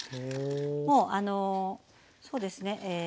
もうそうですね